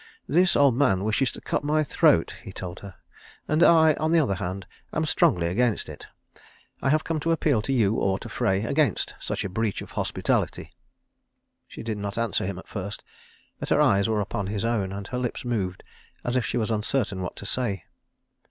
"This old man wishes to cut my throat," he told her, "and I, on the other hand, am strongly against it. I have come to appeal to you or to Frey against such a breach of hospitality." She did not answer him at first; but her eyes were upon his own, and her lips moved as if she was uncertain what to say.